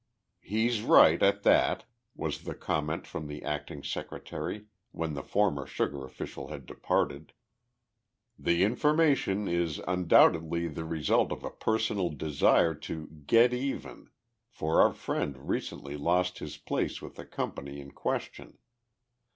"He's right, at that," was the comment from the acting Secretary, when the former sugar official had departed. "The information is undoubtedly the result of a personal desire to 'get even' for our friend recently lost his place with the company in question.